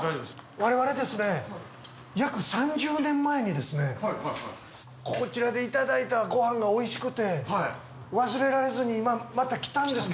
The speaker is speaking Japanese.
われわれ約３０年前にこちらでいただいたごはんがおいしくて忘れられずに今また来たんですけど。